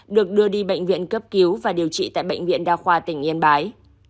được đưa đi bệnh viện cấp cứu và điều trị tại bệnh viện đa khoa tỉnh yên bái